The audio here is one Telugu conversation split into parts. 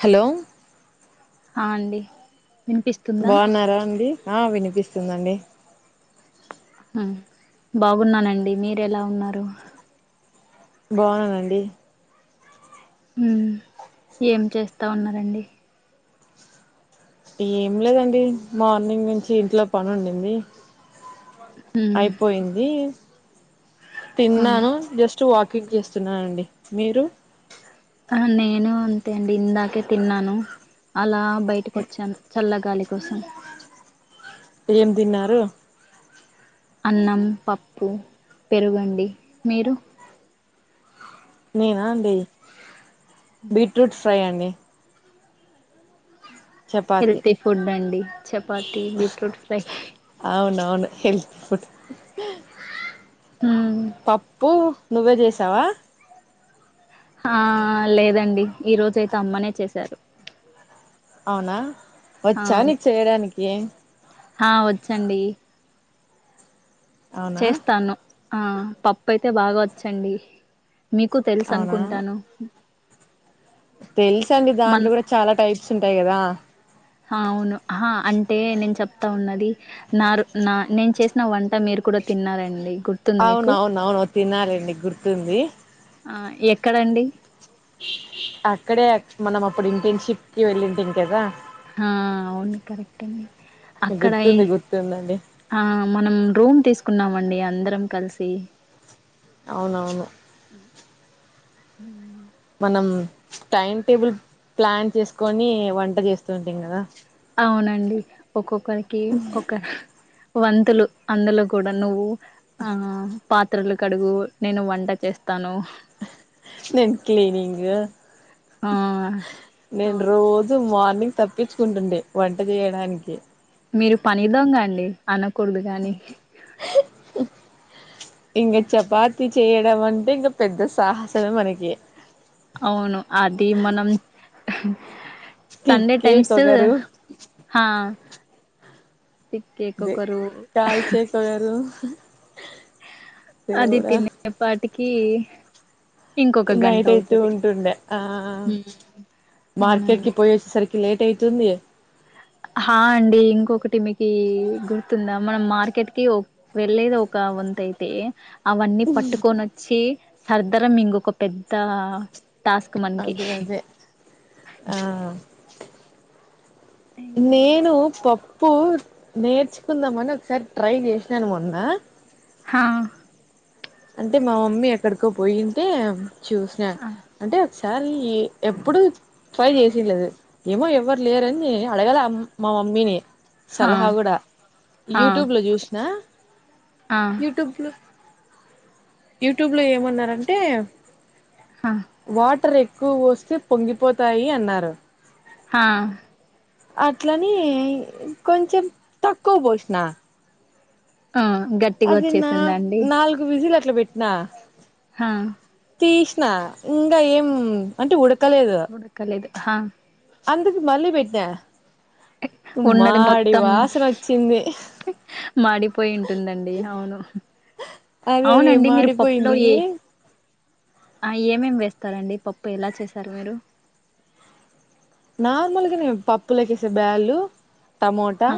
హలో అహ్ అండి వినిపిస్తుందా బావున్నారా అండి ఆహ్ వినిపిస్తుందండి అహ్ బాగున్నానండి మీరు ఎలా ఉన్నారు. బావున్నానండి హ్మ్ ఏం చేస్తా ఉన్నారండి ఏం లేదండి మార్నింగ్ నుంచి ఇంట్లో పని ఉండింది. ఉమ్ అయిపోయింది. తిన్నాను జస్ట్ వా కింగ్ చేస్తున్ననండి మీరు అహ్ నేను అంతే అండి ఇందాకే తిన్నాను అలా బయటకి వచ్చాను చల్లగాలి కుసం ఏం తిన్నారు అన్నం పప్పు పెరుగండి మీరు మేమ బి బీట్రూట్స్ ఫ్రై అండి చపాతి హెల్తీ ఫుడ్ అండి చపాతి బీట్రూట్ ఫ్రై అవును హెల్తి ఫుడ్ ఉమ్ పప్పు నువ్వే చేసావా ఆ లేదండి ఈ రోజయితే అమ్మనే చేశారు అవునా ఆ వచ్చా నీకు చేయడానికి ఏం ఆ వచ్చండి అవునా చేస్తాను ఆ పప్పు అయితే బాగా వచ్చండి మీకు తెలుసు అనుకుంటాను తెలుస అండి మన్ దాంట్లో కూడా చాలా టైప్ ఉంటాయి కదా ఆ అవును హా అంటే నేను చెప్తా ఉన్నది నారు నా నేను చేసిన వంట మీరు కూడా తిన్నారండి గుర్తుంది మీకు అవునవున అవును తిన్నా లేండి గుర్తుంది ఆ ఎక్కడండి అక్కడే మనం అప్పుడు ఇంటిన్ షిప్ కి వెళ్ళుంటిమీ కదా ఆ అవును కరెక్ట్ అ అక్కడ గుర్తుంది గుర్తుందండి ఆ మనం రూమ్ తీసుకున్నాం మండి అందరం కలిసి అవునవును హుమ్ మనం టైం టేబుల్ ప్లాన్ చేసుకొని వంట చేస్తుంటీమీ కదా అవునండి ఒక్కొక్క ఒకరికి ఒక వంతులు అందులో కూడా నువ్వు ఆ పాత్రలు కడుగు నేను వంట చేస్తాను నేను క్లీనింగ్ ఆ నేను అవును రోజు మార్నింగ్ తప్పించుకుంటుండే వంట చేయడానికి మీరు పని దొంగ అండి అనకూడదు గాని ఇంకా చపాతి చేయడం అంటే ఇంకా పెద్ద సాహసమే మనకి అవును అది మనం అ సండే టైమ్స్ తిక్కేకొకరు హ దే కాల్చే ఒకరు అది తినే పాటి కి నైట్ అయితు ఉంటుంది ఆ మార్కెట్కి అవునండి పోయి వచ్చే సరికి లేట్ అయి తుంది హా అండి ఇంకొకటి మీకు గుర్తుందా మనం మార్కెట్కిి ఒ వెళ్ళలేది ఒక వంతైతే అవన్నీ పట్టుకొని వచ్చి సర్దరం ఇంకొక పెద్ద టాస్క్ మనకి అదే అదే ఆ నేను పప్పు నేర్చుకుందామని ఒకసారి ట్రై చేసినాను మొన్న హా అంటే మా మమ్మీ ఎక్కడికో పోయింటే చూసిన ఆ! అంటే సార్ ఎప్పుడు ట్రై చేసిలేదు ఏమో ఎవరు లేరని అడగాలే ఆమ్ మా మమ్మీని సలహా హా కూడా హా యూట్యూబ్ లో చూసిన ఆ యూట్యూబ్ లో యూట్యూబ్ లో ఏమన్నారంటే హా వాటర్ ఎ క్కుపోస్తే పొంగిపోతాయి అన్నారు హా అట్లని కొంచెం తక్కువ పోషిన ఆ గట్టిగా అదిన్న వచ్చేసిందా అండి నల్గు వీసిల్ ట్ల పెట్నా హా తీసిన ఇంకా ఏం అంటే ఉడ్ ఉడకలేదు హా అందుకు మళ్ళి పెట్టిన ఉన్నది మొత్తం వచ్చింది మాడిపోయి ఉంటుందండి అవును అదే అది అవునండి మీరు పప్పులో మాడిపోయింది ఏ ఆ ఏమేమి వేస్తారండి పప్పు ఎలా చేసారు మీరు నార్మల్గానే పప్పులకేసే బ్యాళ్ళు టమోటా హా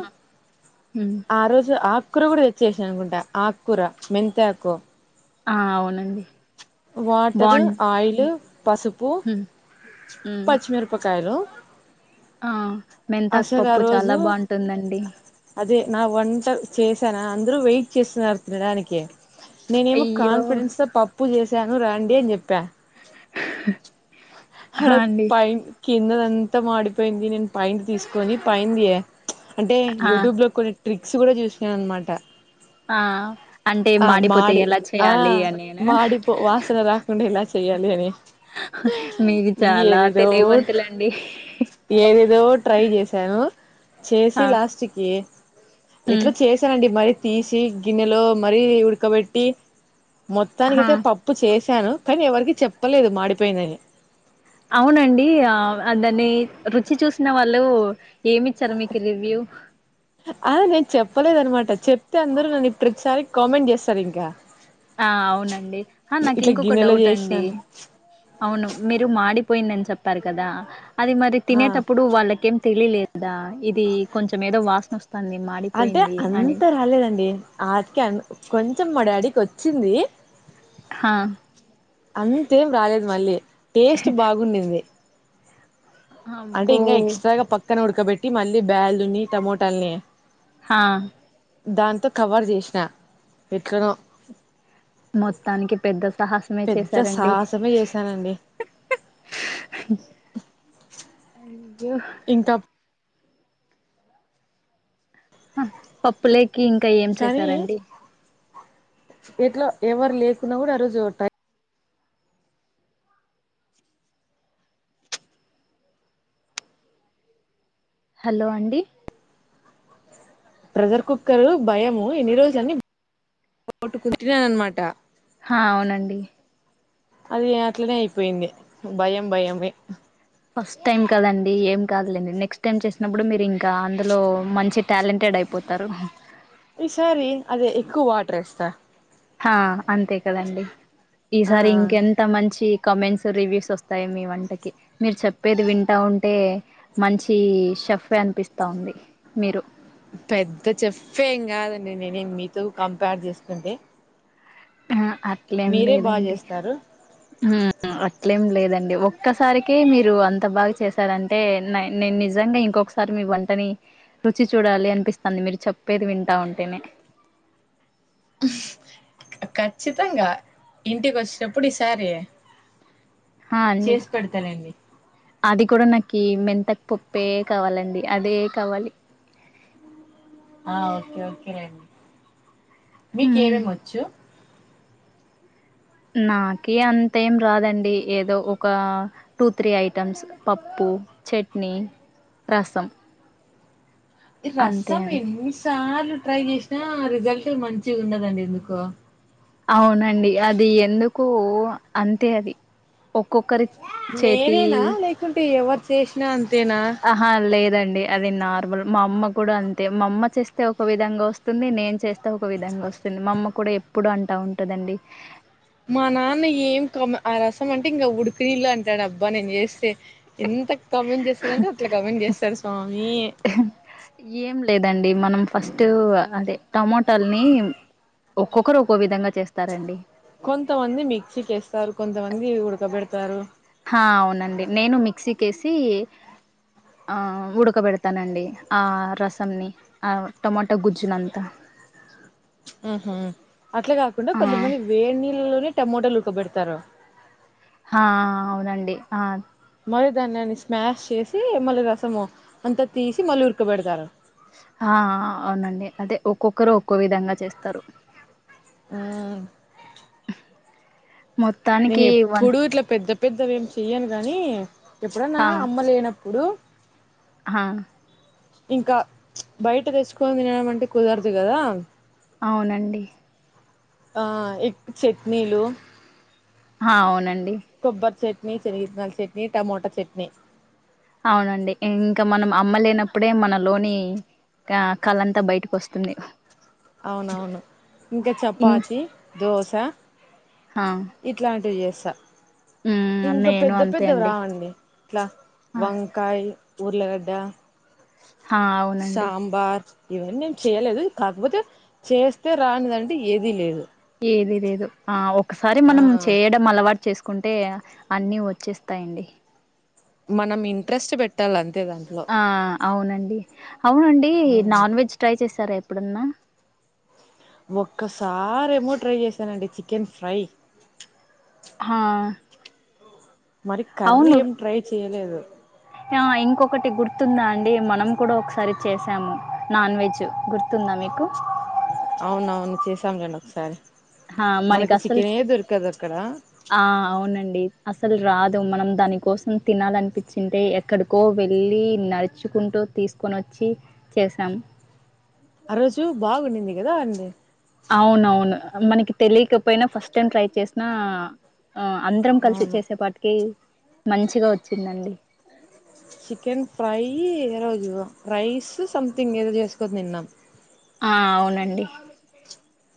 ఉమ్ ఆ రోజు ఆ ఆకురు కూడా తెచ్చేసా అనుకుంటా ఆకుర మెంతాకు ఆ అవునండి వాటర్ బాన్ ఆయిల్ పసుపు ఉమ్ ఉమ్ పచ్చిమిరపకాయలు ఆ మెంతాకు అసలు ఆ పప్పు చాలా రోజు బాగుంటుందండి అదే నా వంట చేసాను అందరూ వెయిట్ చేస్తున్నారు తినడానికి నేనేమో అయ్యో కాన్ఫిడెన్స్ తో పప్పు చేస్త ను రండి అని చెప్పి అడ హా అండి పే కిందదంతా మాడిపోయింది నేను పైంది తీసుకొని పైందియ అంటే ఆ యూట్యూబ్ లో కొన్ని ట్రిక్స్ కూడా చూసినాను అనమాట ఆ అంటే ఆ మాడిపోతే మాడి ఎలా చేయాలి అని నేను ఆసన రాకుండా ఇలా చెయ్యాలి అని మీరు చాలా ఏదదో తెలియవంతులండి ఏదదో ట్రై చేసాను చేసి హా లాస్ట్ కి ఎట్లా హ్మ్ చేసానండి మరి తీసి గిన్నెలో మరీ ఉడకబెట్టి మొత్తానికి హా అయితే పప్పు చేశాను కానీ ఎవరికి చెప్పలేదు మాడిపోయిందని అవునండి దాన్ని రుచి చూసిన వాళ్ళు ఏమిచ్చారు మీకు రివ్యూ అదే నేను చెప్పలేదనమాట చెప్తే అందరుూ నన్ను ఇ ప్రతిసారి కామెంట్ చేస్తారు ఇంకా ఆ అవునండి నాకు ఇట్లా ఇంకొక గిన్నెలో డౌట్ అండి చేసినాను అవును మీరు మాడి పోయిందని చెప్పారు కదా అది మరి ఆ తినేటప్పుడు వాళ్ళకేం తెలిలేదా ఇది కొంచెం ఏదో వాసన వస్తుంది అంటే మాడిపోయింది అని అంత రాలేదండి వాటికి అ కొంచ కొంచెం మా డాడీకి వచ్చింది హా అంతేం రాలేదు మళ్ళీ టేస్ట్ బాగుండింది అంటే అబ్బో ఇంకా ఎక్స్ట్రాగా పక్క న ఉడక పెట్టి మళ్ళీ బ్యాల్ని టమోటల్ని హా దాంతో కవర్ చేసిన ఎట్ల నో మొత్తానికి పెద్ద సాహసమే పెద్ద చేసారండి [inaudible] సాహసమే చేశానండి ఇంత పప్పులే కి ఇంకా ఏం చేసారండి ఇట్లో ఎవరు లేకున్నా కూడా ఆ రోజు టై హలో అండి ప్రెషర్ కుక్కర్ భయము ఎన్ని రోజులనీ [inaudible] అన్నమాట హా అవునండి అది అట్లనే అయిపోయింది భయం భయమే ఫస్ట్ టైం కదండి ఏం కాదులేండి నెక్స్ట్ టైం చేసినప్పుడు మీరు ఇంకా అందులో మంచి టాలెంటెడ్ అయిపోతారు ఈసారి అదే ఎక్కువ వాటర్ ఏస్తా హా అంతే కదండి ఆ ఈసారి ఇంకెంత మంచి కామెంట్స్ రివ్యూస్ వస్తాయి మీ వంటకి మీరు చెప్పేది వింటా ఉంటే మంచి షెఫే అనిపిస్తా ఉంది మీరు పెద్ద చెఫ్ఫే ఏం కాదండి నేనేం మీతో కంపేర్ చేసుకుంటే ఆ అట్లేం మీరే బాగా లేదండి చేస్తారు హుమ్ అట్లేం లేదండి ఒక్కసారికే మీరు అంత బాగా చేశారంటే నై నేను నిజంగా ఇంకొకసారి మీ వంటని రుచి చూడాలి అనిపిస్తాంది మీరు చెప్పేది వింటా ఉంటేనే ఖచ్చితంగా ఇంటికి వచ్చినప్పుడు ఈసారి ఆ అండి చేసి పెడతానండి అది కూడా నా కి మెంతాకు పప్పే కావాలండి అదే కావాలి హ్మ్ మీకేమేమి వచ్చు నాకీ అంతేం రాదండి ఏదో ఒక టూ త్రీ ఐటమ్స్ పప్పు చట్నీ రసం ఇ అంతే రసం అండి ఎన్నిసార్లు ట్రై చేసినా రిజల్ట్ మంచిగా ఉండదండి ఎందుకో అవునండి అది ఎందుకో అంతే అది ఒక్కొక్కరి చేతి నేనేనా లేకుంటే ఎవరి చేేషినాన్ అహా లేదన్ డి అది నార్మల్ మా అమ్మ కూడా అంతే మా అమ్మ చేస్తే ఒక విధంగా వస్తుంది నేను చేస్తే ఒక విధంగా వస్తుంది మా అమ్మ కూడా ఎప్పుడూ అంటా ఉంటదండి మా నాన్న ఏం కమ ఆ రసం అంటే ఇంకా ఉడుకునీళ్ళు అంటాడు అబ్బా నేను చేస్తే ఎంత కమెంట్ చేస్తారంటే అట్లా కమెంట్ చేస్తారు స్వా ఏం లేదండి మనం ఫస్ట్ అదే టమోటాల్ని ఒక్కొక్కరు ఒక్కో విధంగా చేస్తారండి కొంతమంది మిక్సికేస్తారు కొంతమంది ఉడకబెడతారు హా అవునండి నేను మిక్సీకేసి అ ఉడకబెడతానండి ఆ రసంని ఆ టమాటా గుజ్జునంతా ఉహు అట్లా కాకుండా ఆ కొంతమంది వేడి నీళ్లలోనే టమోటోలు ఉడకబెడతారు హా అ అవునండి ఆ మళ్లి దాన్నిన్ని స్మాష్ చేసి మళ్లీ రసము అంతా తీసి మళ్లీ ఉడకబెడతారు ఆ ఆ అవునండి అదే ఒక్కొక్కరు ఒక్కో విధంగా చేస్తారు ఉమ్ హ మొత్తానికి వన్ పెద్దవి ఏమి చెయ్యను గానీ ఎప్పుడన్నా అమ్మ లేనప్పు ప్పుడు ఆ ఇంకా బయట తెచ్చుకొని తినడం అంటే కుదరదు కదా అవునండీ ఆ ఈ చట్నీలు అవునం కొబ్బర్ చె ట్నీ చేని గిత్తనల చట్నీ టమోటా చట్నీ అవునండి ఇంకా మనం అమ్మలేనప్పుడే మన లోని కళ అంతా బయటకి వస్తుంది అవును అవును ఇంకా ఇం చపాతి దోశ హా ఇట్లాంటివి చే స్త మ్మ్ ఇంకా నేను పెద్ద అంతే పెద్ద అండి రావండి ఇట్లా ఆ వంకాయ ఉర్లగడ్డ హా అవునండి సాంబార్ ఇవన్నీ ఏం చేయలేదు కాకపోతే చేస్తే రానిదంటే ఏది లేదు ఏది లేదు ఆ ఒకసారి మనం ఆ చేయడం అలవాటు చేసు కుంటే అన్ని వచ్చేస్తాయి అండి మనం ఇంట్రెస్ట్ పెట్టాలీ అంతే దాంట్లో ఆ అవునండి అవునండి నాన్ వెజ్ ట్రై చేస్ సరే ఎప్పుడన్నా ఒక్కసారేమో ట్రై చేశానండి చికెన్ ఫ్రై హా మరి కర్రీ అవును ఏమి ట్రై చెయ్యలేదు ఆ ఇంకొకటి గుర్తుందా అండి మనం కూడా ఒకసారి చేసాము నాన్ వెజ్ గుర్తుందా మీకు అవున అవును చేసాంలేండి ఒకసారి ఆ మనకి అసలు చికెనే దొరకదు అక్కడ ఆ అవునండి అసలు రాదు మనం దానికోసం తినాలనిపించింటే ఎక్కడికో వెళ్ళి నడుచుకుంటూ తీసుకొని వచ్చి చేసాం ఆరోజు బాగుండింది ఏదో అండి అవునవును మనకి తెలియకపోయినా ఫస్ట్ టైం ట్రై చేసినా ఆ అందరం కలిసి అవును చేసేపాటికి మంచిగా వచ్చిందండి చికెన్ ఫ్రై ఈ ఏ రోజు రైస్ సంథింగ్ ఏదో చేసుకోని తిన్నాం ఆ అవునండి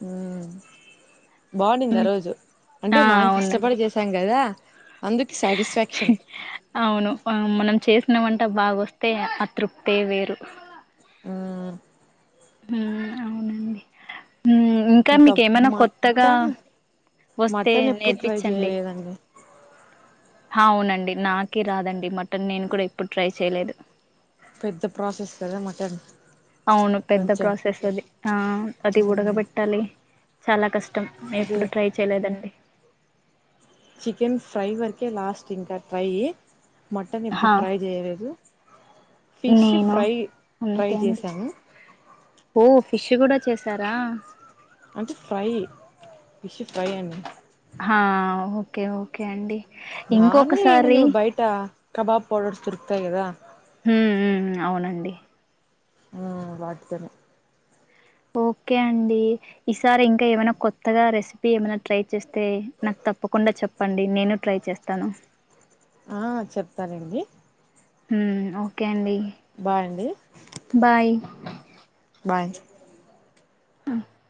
ఉ బాగుండింది ఆ హ్మ్. రోజు అంటే ఆ! మనం కష్టపడి అవునండి. చేసాం కదా అందుకు సాటిస్ఫాక్షన్ అవును ఆ మనం చేసి న వంట బాగొస్తే ఆ తృప్తే వేరు ఊ ఊ అవునండి ఉ ఇంకా మీకేమైనా కొత్తగా వస్తే మటన్ ఎప్పుడు ట్రై నేర్పించండి చేయలేదండి అవునండి నాకే రాదండి మటన్ నేను కూడా ఎప్పుడు ట్రై చేయలేదు పెద్ద ప్రాసెస్ కదా మటన్ అవును పెద్ద కొంచెం ప్రాసెస్ అది ఆ అది ఉడగబెట్టాలి చాలా కస్ ష్టం అదే ఎప్పుడు ట్రై చేయలేదండి చికెన్ ఫ్రై వరకే లాస్ట్ ఇంకా ట్రై మటన్ ఎప్పుడు హా ట్రై చేయలేదు ఫిష్ నేను ఫ్రై ట్రై అంతే అండి చేశాను ఓ ఫిష్ కూడా చేసారా అంటే ఫ్రై ఫిష్ ఫ్రై అండి హ ఓకే ఓకే అండి నార్మల్ ఏముంది ఇంకొకసారి ఇప్పుడు బయట కబాబ్ పౌడర్స్ దొరుకుతాయి కదా హ్మ్ హ్మ్ అవునండి ఆ వాటి తోని ఓకే అండి ఈసారి ఇంకా ఏమైనా కొత్తగా రెసిపీ ఏమైనా ట్రై చేస్తే నాకు తప్పకుండా చెప్పండి నేను ట్రై చేస్తాను ఆ చెప్తానండి ఉమ్ ఓకే అండి బాయ్ అండి బాయ్ బాయ్